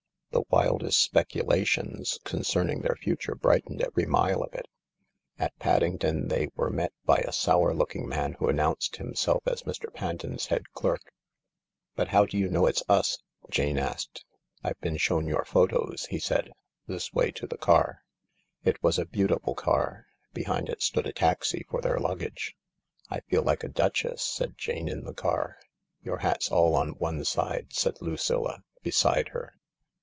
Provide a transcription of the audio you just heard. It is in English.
The wildest speculations concerning their future brightened every mile of it. At 28 THE LARK Paddmgton they were met by a sour looking man who an nounced himself as Mr. Panton's head clerk. " But how do you know it's us ?" Jane asked. "I've been shown your photos," he said. "This wav to the car." J It was a beautiful car. Behind it stood a taxi for their luggage. " I feel like a duchess," said Jane in the car. "Your hat's all on one side," said Lucilla beside her.